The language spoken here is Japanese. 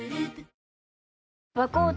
新「和紅茶」